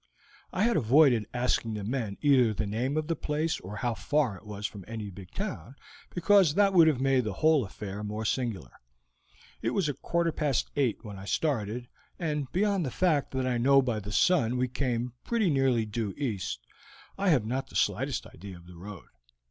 "I had avoided asking the men either the name of the place or how far it was from any big town, because that would have made the whole affair more singular. It was a quarter past eight when I started, and beyond the fact that I know by the sun we came pretty nearly due east, I have not the slightest idea of the road.